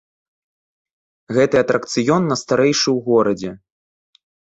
Гэты атракцыён найстарэйшы ў горадзе.